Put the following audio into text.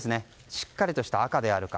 しっかりとした赤であるか。